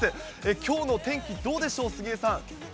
きょうの天気、どうでしょう、杉江さん。